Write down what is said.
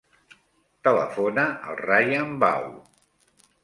Telefona al Rayan Bau.